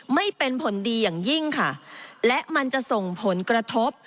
ไม่เป็นผลดีอย่างยิ่งค่ะและมันจะส่งผลกระทบ